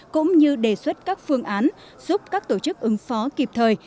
cũng như đề xuất các phương án giúp các tổ chức ứng phó kịp thời